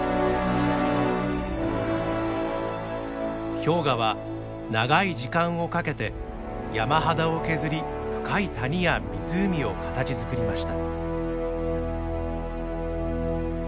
氷河は長い時間をかけて山肌を削り深い谷や湖を形づくりました。